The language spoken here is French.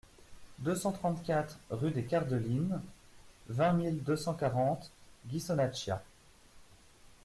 deux cent trente-quatre rue des Cardelines, vingt mille deux cent quarante Ghisonaccia